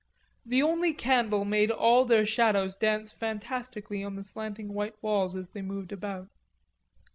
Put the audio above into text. The only candle made all their shadows dance fantastically on the slanting white walls as they moved about.